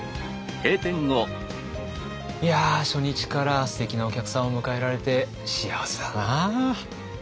いや初日からすてきなお客さんを迎えられて幸せだな。